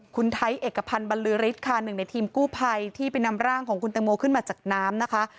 คุณไทยเอกพันธ์บรรลือฤทธิ์ค่ะหนึ่งในทีมกู้ภัยที่ไปนำร่างของคุณตังโมขึ้นมาจากน้ำนะคะ